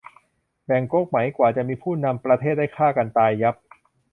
แบ่งก๊กไหม กว่าจะมีผู้นำประเทศได้ฆ่ากันตายยับ